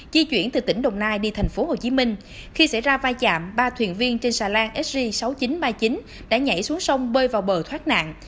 di chuyển từ tỉnh đồng nai đi tp hcm khi xảy ra vai chạm ba thuyền viên trên xà lan sg sáu nghìn chín trăm ba mươi chín đã nhảy xuống sông bơi vào bờ thoát nạn